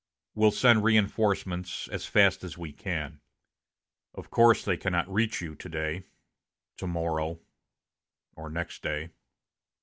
Will send reinforcements as fast as we can. Of course they cannot reach you to day, to morrow, or next day.